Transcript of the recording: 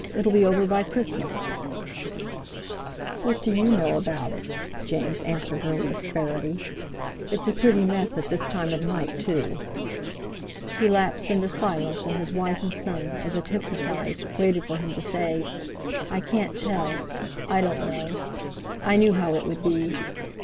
It'll be over by Christmas." "What do you know about it?" James answered her with asperity. "It's a pretty mess at this time of night, too!" He lapsed into silence, and his wife and son, as if hypnotised, waited for him to say: "I can't tell—I don't know; I knew how it would be!"